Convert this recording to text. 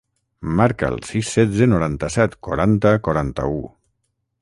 Marca el sis, setze, noranta-set, quaranta, quaranta-u.